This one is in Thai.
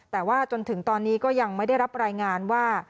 แต่ว่าจนถึงตอนนี้ก็ยังไม่ได้รับรายงานว่า